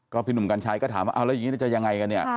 พี่หนุ่มกัญชัยก็ถามว่าเอาแล้วอย่างนี้จะยังไงกันเนี่ย